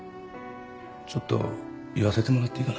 ちょっと言わせてもらっていいかな。